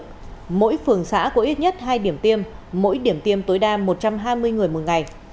mỗi phường xã có ít nhất hai điểm tiêm mỗi điểm tiêm tối đa một trăm hai mươi người một ngày